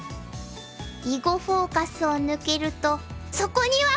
「囲碁フォーカス」を抜けるとそこにはコモク！